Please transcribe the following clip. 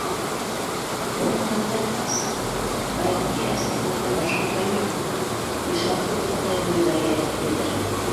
Ураҡтан ҡайтҡас, Айбикә әсәһе менән башаҡҡа йөрөп биш-алты боттай бойҙай әҙерләйҙәр.